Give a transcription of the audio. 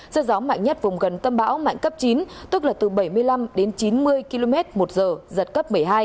sức gió mạnh nhất vùng gần tâm bão mạnh cấp chín tức là từ bảy mươi năm đến chín mươi km một giờ giật cấp một mươi hai